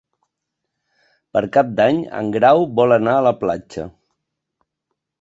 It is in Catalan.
Per Cap d'Any en Grau vol anar a la platja.